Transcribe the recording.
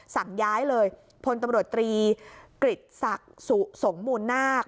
สั่งย้ายเลยพลตำรวจตรีกฤษศักดิ์สุสงมูลนาค